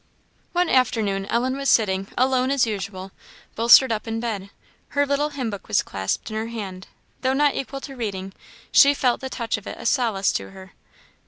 One afternoon Ellen was sitting, alone as usual, bolstered up in bed. Her little hymn book was clasped in her hand; though not equal to reading, she felt the touch of it a solace to her.